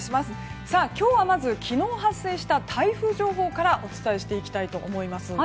今日はまず昨日発生した台風情報からお伝えしていきたいと思います。